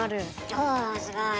おすごい。